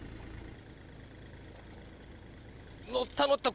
のったのった！